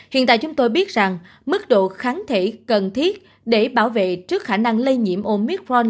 hiện tại chúng tôi biết rằng mức độ kháng thể cần thiết để bảo vệ trước khả năng lây nhiễm omitforn